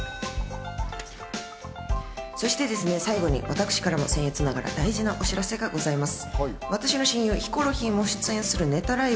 そしてですね、最後に私からも僭越ながら大事なお知らせがございます。